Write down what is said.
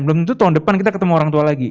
belum tentu tahun depan kita ketemu orang tua lagi